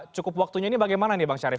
cukup waktunya ini bagaimana nih bang syarif